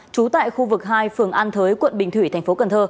trú tại khu vực hai phường an thới quận bình thủy tp cn